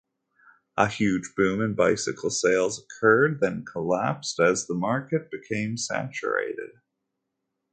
A huge boom in bicycle sales occurred, then collapsed as the market became saturated.